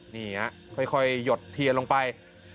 นี่ฮะค่อยหยดเทียนลงไป